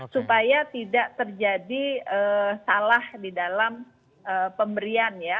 supaya tidak terjadi salah di dalam pemberian ya